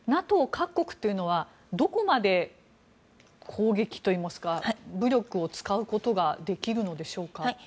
ＮＡＴＯ各国というのはどこまで攻撃というか武力を使うことができるのでしょうか？